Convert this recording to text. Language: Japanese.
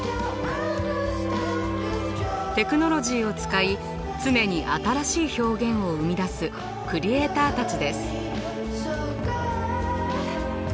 テクノロジーを使い常に新しい表現を生み出すクリエーターたちです。